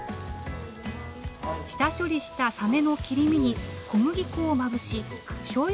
下処理したサメの切り身に小麦粉をまぶししょうゆ